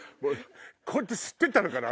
こうやって吸ってたのかな？